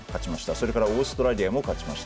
それからオーストラリアも勝ちました。